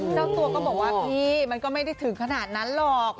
เจ้าตัวก็บอกว่าพี่มันก็ไม่ได้ถึงขนาดนั้นหรอก